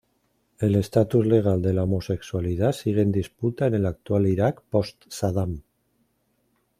El estatus legal de la homosexualidad sigue en disputa en el actual Irak post-Saddam.